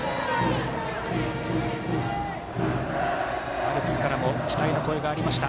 アルプスからも期待の声がありました。